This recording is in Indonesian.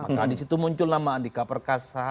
maka disitu muncul nama andika perkasa